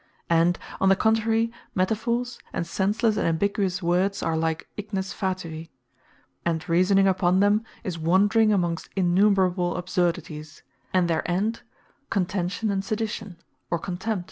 And on the contrary, Metaphors, and senslesse and ambiguous words, are like Ignes Fatui; and reasoning upon them, is wandering amongst innumerable absurdities; and their end, contention, and sedition, or contempt.